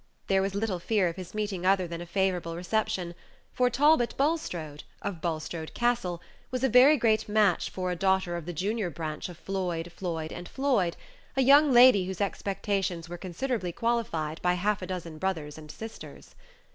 There was little fear of his meeting other than a favorable reception, for Talbot Bulstrode, of Bulstrode Castle, was a very great match for a daughter of the junior branch of Floyd, Floyd, and Floyd, a young lady whose expectations were considerably qualified by half a dozen brothers and sisters.